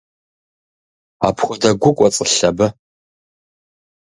Апхуэдэ гу кӏуэцӏылъ абы?